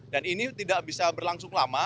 dan ini tidak bisa berlangsung lama